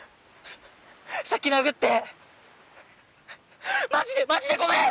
さっき殴ってマジでマジでごめん‼